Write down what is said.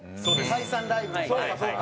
解散ライブまで。